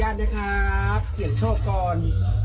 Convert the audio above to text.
อันนี้ขออนุญาตนะครับเสียงโชคก่อน